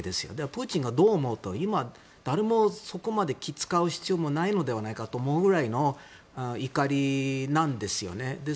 プーチンがどう思おうと今、誰もそこまで気を使う必要もないと思うぐらいの怒りなんですよね。